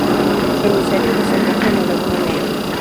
Su emisario desemboca en la laguna Negra.